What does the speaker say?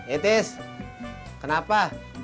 eh tis kenapa